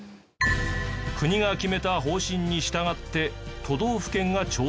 国が決めた方針に従って都道府県が調整。